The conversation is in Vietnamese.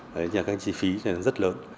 đấy những cái chi phí rất lớn